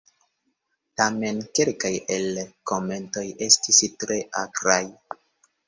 Tamen kelkaj el la komentoj estis tre akraj.